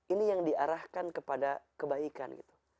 ini yang diarahkan kepada kebaikan gitu